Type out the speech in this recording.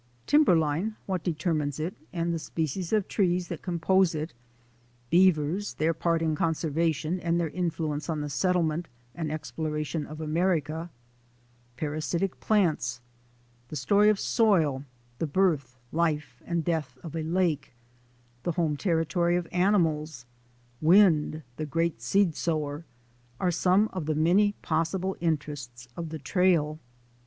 Timberline, what determines it, and the species of trees that compose it; beavers, their part in con servation and their influence on the settlement and exploration of America; parasitic plants; the story of soil; the birth, life, and death of a lake; the home territory of animals; wind, the great seed sower — are some of the many possible interests of the trail.